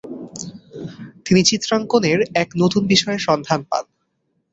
তিনি চিত্রাঙ্কনের এক নতুন বিষয়ের সন্ধান পান।